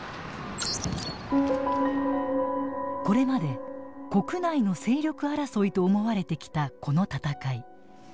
これまで国内の勢力争いと思われてきたこの戦い。